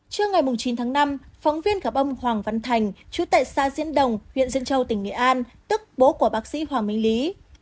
trưa ngày chín tháng năm phóng viên gặp ông hoàng văn thành chú tại xã diễn đồng huyện diễn châu tỉnh nghệ an tức bố của bác sĩ hoàng minh lý